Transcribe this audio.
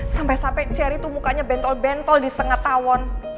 sampai sampai ceri tuh mukanya bentol bentol di senget tawon